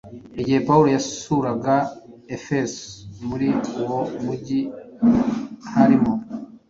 Igihe Pawulo yasuraga Efeso, muri uwo mujyi harimo